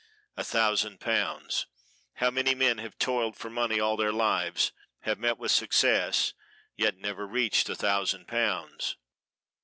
A thousand pounds! How many men have toiled for money all their lives, have met with success, yet never reached a thousand pounds.